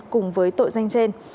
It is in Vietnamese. cùng với tội danh trên